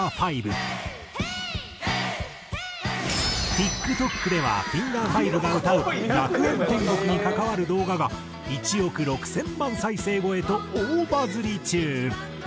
ＴｉｋＴｏｋではフィンガー５が歌う『学園天国』に関わる動画が１億６千万再生超えと大バズり中。